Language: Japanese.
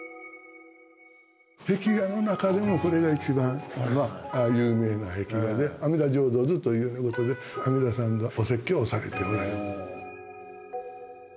壁画の中でもこれが一番有名な壁画で「阿弥陀浄土図」というようなことで阿弥陀さんがお説教をされておられる。